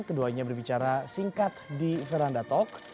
keduanya berbicara singkat di veranda talk